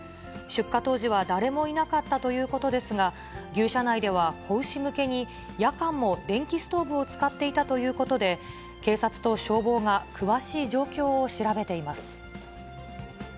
出火当時は誰もいなかったということですが、牛舎内では、子牛向けに夜間も電気ストーブを使っていたということで、警察と消防が詳しい状況を調べています。